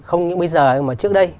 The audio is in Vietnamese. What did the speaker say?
không những bây giờ nhưng mà trước đây